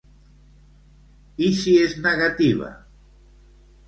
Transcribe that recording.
I si és negativa?